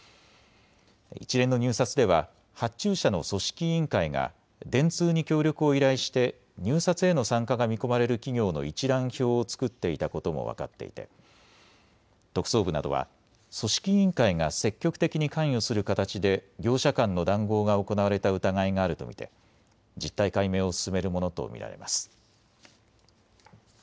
一連の入札では発注者の組織委員会が電通に協力を依頼して入札への参加が見込まれる企業の一覧表を作っていたことも分かっていて特捜部などは組織委員会が積極的に関与する形で業者間の談合が行われた疑いがあると見て実態解明を進めるものと見られます。